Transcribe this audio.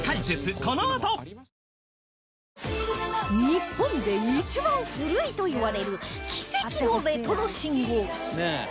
日本で一番古いといわれる奇跡のレトロ信号機